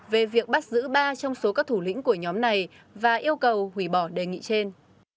về việc bắt giữ ba trong số các thủ lĩnh của nhóm này và yêu cầu hủy bỏ đề nghị trên